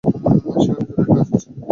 সেখানে জরুরি কাজ আছে।